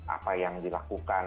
apa yang dilakukan